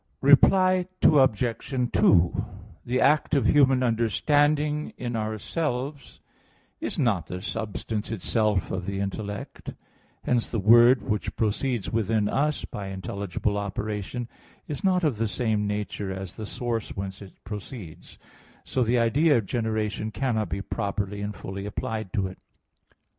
Reply Obj. 2: The act of human understanding in ourselves is not the substance itself of the intellect; hence the word which proceeds within us by intelligible operation is not of the same nature as the source whence it proceeds; so the idea of generation cannot be properly and fully applied to it.